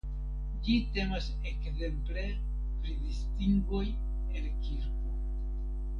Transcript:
Ĝi temas ekzemple pri distingoj el kirko.